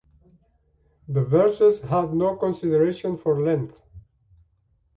The verses had no consideration for length.